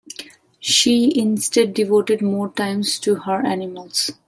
She instead devoted more time to her animals.